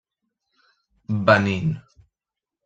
Benín.